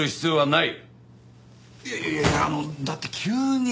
いやいやいやいやあのだって急に。